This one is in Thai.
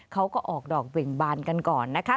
เขาก็ออกดอกเบ่งบานกันก่อนนะคะ